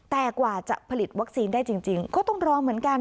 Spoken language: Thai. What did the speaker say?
แต่กว่าจะผลิตวัคซีนได้จริงก็ต้องรอเหมือนกัน